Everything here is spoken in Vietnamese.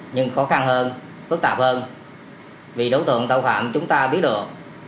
nhưng khó khăn hơn phức tạp hơn vì đối tượng tội phạm chúng ta biết được